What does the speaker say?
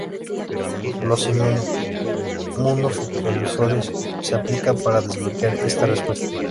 Los inmunosupresores se aplican para bloquear esta respuesta.